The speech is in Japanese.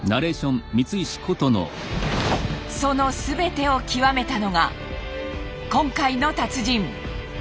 その全てを極めたのが今回の達人。